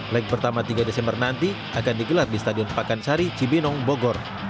leg pertama tiga desember nanti akan digelar di stadion pakansari cibinong bogor